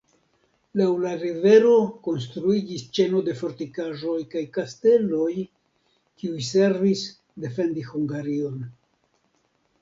Laŭ la rivero konstruiĝis ĉeno de fortikaĵoj kaj kasteloj, kiuj servis defendi Hungarion.